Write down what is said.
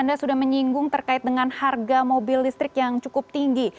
anda sudah menyinggung terkait dengan harga mobil listrik yang cukup tinggi